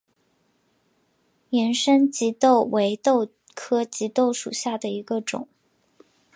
盐生棘豆为豆科棘豆属下的一个种。